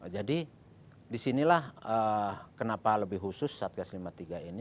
disinilah kenapa lebih khusus satgas lima puluh tiga ini